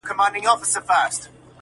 • په توبه توبه زاهد کړمه مجبوره -